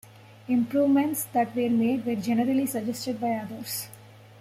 Improvements that were made were generally suggested by others.